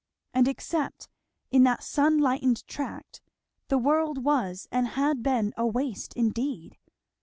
And except in that sun lightened tract, the world was and had been a waste indeed.